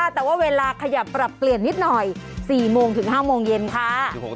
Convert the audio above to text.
แต่ว่าเวลาขยับปรับเปลี่ยนนิดหน่อย๔โมงถึง๕โมงเย็นค่ะ